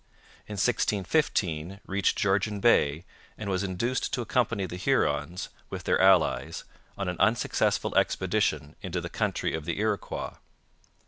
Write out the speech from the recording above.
In 1615 reached Georgian Bay and was induced to accompany the Hurons, with their allies, on an unsuccessful expedition into the country of the Iroquois.